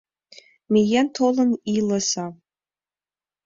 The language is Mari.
Миен-толын илыза.